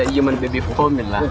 ê có cùng mình cũng bị sợ vào nó